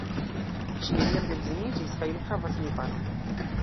Ŝi neniam edziniĝis kaj ne havas infanon.